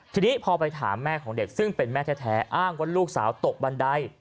ทีนี้พอไปถามแม่ของเด็กซึ่งเป็นแม่แท้อ้างว่าลูกสาวตกบันได